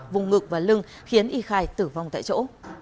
vùng ngực và lưng khiến y khai tử vong tại chỗ